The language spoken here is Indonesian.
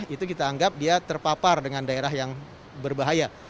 itu kita anggap dia terpapar dengan daerah yang berbahaya